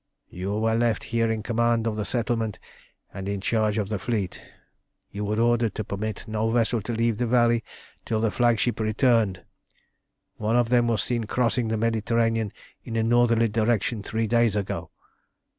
"You were left here in command of the settlement and in charge of the fleet. You were ordered to permit no vessel to leave the valley till the flagship returned. One of them was seen crossing the Mediterranean in a northerly direction three days ago.